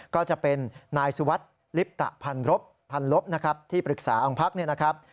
ก็จะเป็นนายสุวัสดิ์ลิปตะพันลบที่ปรึกษาองค์พักนะครับ